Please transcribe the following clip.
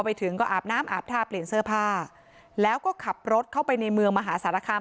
ไปถึงก็อาบน้ำอาบท่าเปลี่ยนเสื้อผ้าแล้วก็ขับรถเข้าไปในเมืองมหาสารคาม